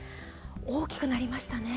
大きくなりましたね。